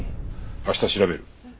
明日調べる。